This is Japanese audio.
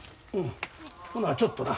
ほなちょっとな。